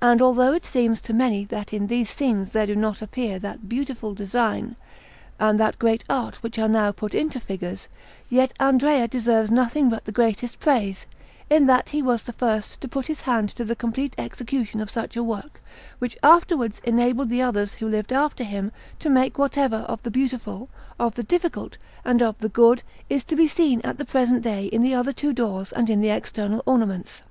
And although it seems to many that in these scenes there do not appear that beautiful design and that great art which are now put into figures, yet Andrea deserves nothing but the greatest praise, in that he was the first to put his hand to the complete execution of such a work, which afterwards enabled the others who lived after him to make whatever of the beautiful, of the difficult and of the good is to be seen at the present day in the other two doors and in the external ornaments.